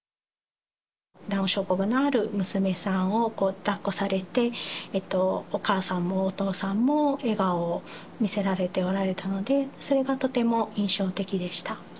ダウン症のある娘さんをだっこされて、お母さんもお父さんも笑顔を見せられておられたので、それがとても印象的でした。